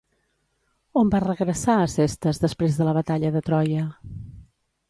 On va regressar Acestes després de la batalla de Troia?